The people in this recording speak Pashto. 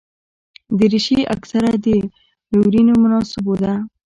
دریشي اکثره د لورینو مناسبو ده.